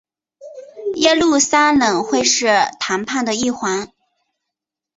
耶路撒冷会是谈判的一环。